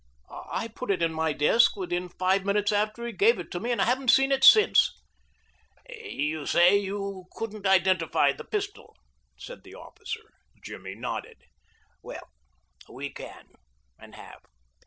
"I put it in my desk within five minutes after he gave it to me, and I haven't seen it since." "You say you couldn't identify the pistol?" said the officer. Jimmy nodded. "Well, we can, and have.